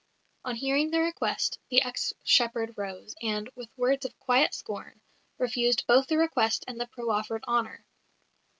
On hearing the request, the ex shepherd rose, and, with words of quiet scorn, refused both the request and the proffered honour.